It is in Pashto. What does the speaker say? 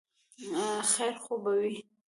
خیر خو به وي ؟